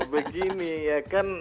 begini ya kan